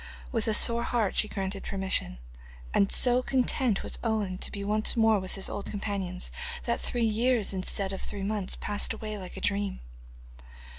With a sore heart she granted permission, and so content was Owen to be once more with his old companions that three years instead of three months passed away like a dream.